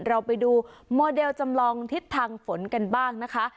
เราไปดูโมเดลจำลองทิศทางฝนกันบ้างนะคะ